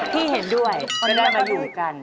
ที่เห็นด้วยก็ได้มาอยู่กัน